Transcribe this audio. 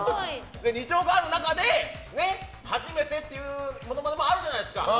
２兆個ある中で初めてというモノマネもあるじゃないですか。